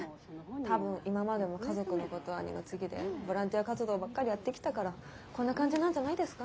多分今までも家族のことは二の次でボランティア活動ばっかりやってきたからこんな感じなんじゃないですか？